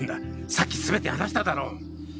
さっきすべて話しただろう！